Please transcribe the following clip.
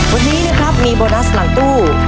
วันนี้นะครับมีโบนัสหลังตู้